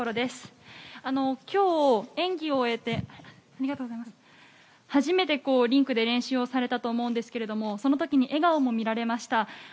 今日、演技を終えて初めてリンクで練習をされたと思うんですけどその時に笑顔も見られました。